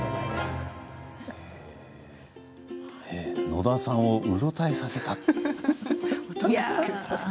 野田さんをうろたえさせたと。